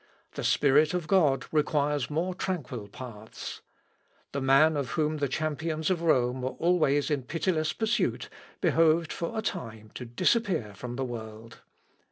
The Spirit of God requires more tranquil paths. The man of whom the champions of Rome were always in pitiless pursuit, behoved for a time to disappear from the world.